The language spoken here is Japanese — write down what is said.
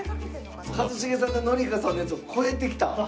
一茂さんと紀香さんのやつを超えてきた。